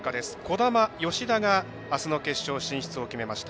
兒玉、吉田があすの決勝進出を決めました。